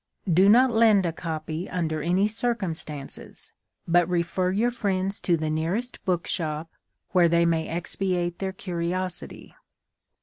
Do not lend a copy under any circumstances, but refer your friends to the nearest bookshop, where they may expiate their curiosity.